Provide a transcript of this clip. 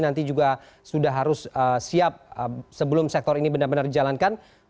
nanti juga sudah harus siap sebelum sektor ini benar benar dijalankan